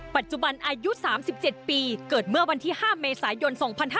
ปัจจุบันอายุ๓๗ปีเกิดเมื่อวันที่๕เมษายน๒๕๕๙